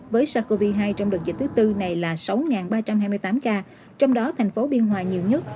với sars cov hai trong đợt dịch thứ tư này là sáu ba trăm hai mươi tám ca trong đó thành phố biên hòa nhiều nhất